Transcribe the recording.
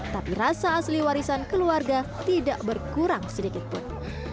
tapi rasa asli warisan keluarga tidak berkurang sedikitpun